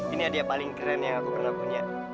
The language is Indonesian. ini hadiah paling keren yang aku pernah punya